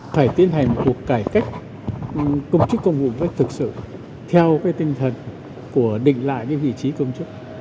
phải tiến hành một cuộc cải cách công chức công vụ một cách thực sự theo cái tinh thần của định lại cái vị trí công chức